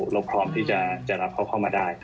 เราพร้อมที่จะรับเขาเข้ามาได้